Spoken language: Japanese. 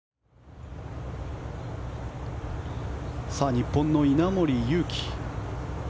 日本の稲森佑貴。